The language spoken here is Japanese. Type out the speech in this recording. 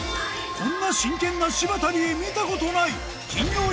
こんな真剣な柴田理恵見たことない！